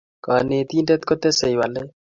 Kanetindet ko tesei walet